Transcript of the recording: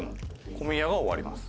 小宮が終わります。